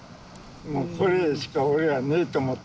これしか俺はねえと思って。